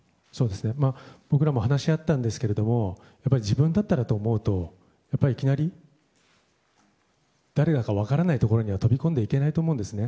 僕らも話し合ったんですけど自分だったらと思うと、いきなり誰だか分からないところには飛び込んでいけないと思うんですね。